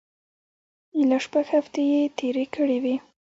ایله شپږ هفتې یې تېرې کړې وې.